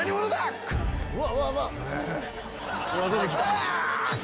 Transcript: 出てきた。